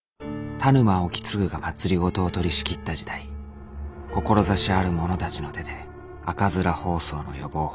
田沼意次が政を取りしきった時代志ある者たちの手で赤面疱瘡の予防法